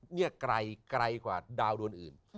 นี่ไกลไกลกว่าดาวดวนอื่น